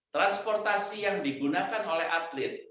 transportasi yang digunakan oleh atlet